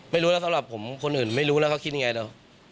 ไม่รู้แล้วสำหรับผมคนอื่นไม่รู้แล้วเขาคิดยังไงเนอะ